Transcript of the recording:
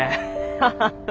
ハハハ。